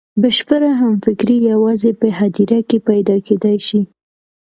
بشپړه همفکري یوازې په هدیره کې پیدا کېدای شي.